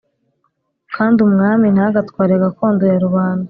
Kandi umwami ntagatware gakondo ya rubanda